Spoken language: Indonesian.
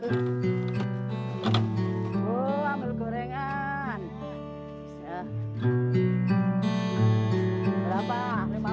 oh ambil gorengan